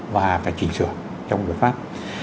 và phải chỉnh sửa trong biểu pháp